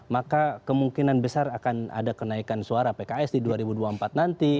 maka kemungkinan besar akan ada kenaikan suara pks di dua ribu dua puluh empat nanti